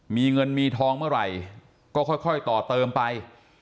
มีเงินมีทองเมื่อไหร่ก็ค่อยต่อเติมไป